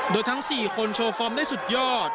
โดยทั้ง๔คนโชว์ฟอร์มได้สุดยอด